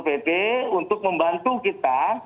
pt untuk membantu kita